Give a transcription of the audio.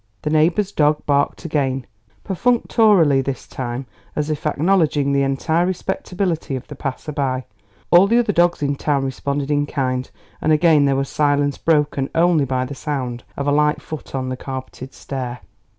The neighbour's dog barked again, perfunctorily this time, as if acknowledging the entire respectability of the passer by; all the other dogs in town responded in kind, and again there was silence broken only by the sound of a light foot on the carpeted stair.